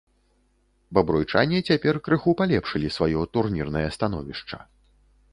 Бабруйчане цяпер крыху палепшылі сваё турнірнае становішча.